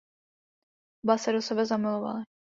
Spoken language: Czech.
Oba se do sebe zamilovali.